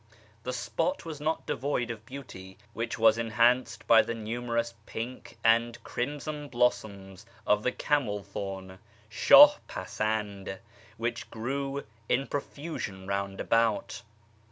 The spot was not devoid of beauty, which was enhanced by the numerous pink and crimson blossoms of the carnel thorn {shcih pasand), which grew in pro fusion round about.